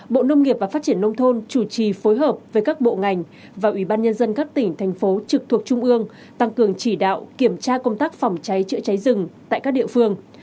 bộ nông nghiệp và phát triển nông thôn chủ trì phối hợp với các bộ ngành và ủy ban nhân dân các tỉnh thành phố trực thuộc trung ương tăng cường chỉ đạo kiểm tra công tác phòng cháy chữa cháy rừng tại các địa phương